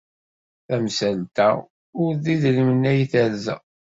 Tamsalt-a ur d idrimen ay terza.